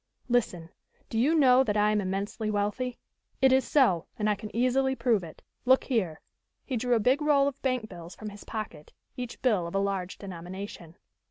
Listen, do you know that I am immensely wealthy? It is so, and I can easily prove it. Look here." He drew a big roll of bank bills from his pocket, each bill of a large denomination.